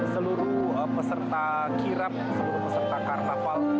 seluruh peserta kirap seluruh peserta karnaval